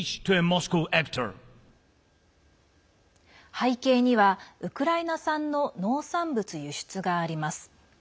背景にはウクライナ産の農産物輸出があります。